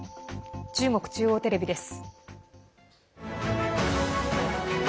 中国中央テレビです。